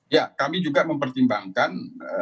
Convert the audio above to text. ya kami juga mempertimbangkan